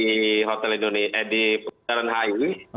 nanti malam kita rencana mau pasang di bundaran hi